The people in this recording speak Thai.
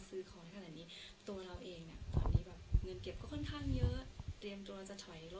ดีใจแล้วก็ให้กำลังใจเราในการทำงานค่ะ